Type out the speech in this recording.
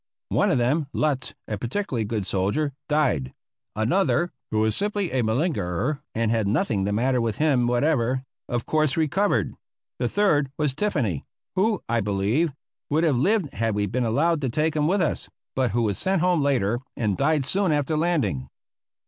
One of them, Lutz, a particularly good soldier, died; another, who was simply a malingerer and had nothing the matter with him whatever, of course recovered; the third was Tiffany, who, I believe, would have lived had we been allowed to take him with us, but who was sent home later and died soon after landing.